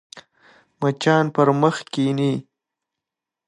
مچان پر مخ کښېني